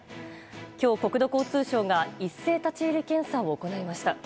今日、国土交通省が一斉立ち入り検査を行いました。